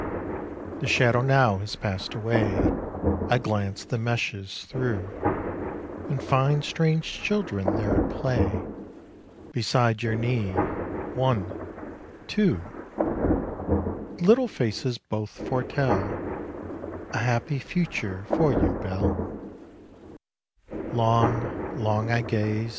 The shadow now has passed away; I glance the meshes through, And find strange children there at play Beside your knee; one, two The little faces both foretell A happy future for you, Belle. Long, long I gaze.